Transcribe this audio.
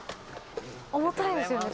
重たいですよね。